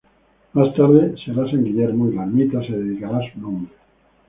Más tarde será San Guillermo y la ermita se dedicará a su nombre.